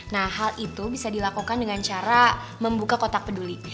nah hal itu bisa dilakukan dengan cara membuka kotak peduli